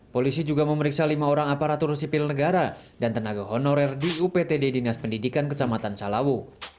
polisi juga memeriksa lima orang aparatur sipil negara dan tenaga honorer di uptd dinas pendidikan kecamatan salawu